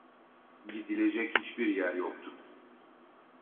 Gidilecek hiçbir yer yoktu.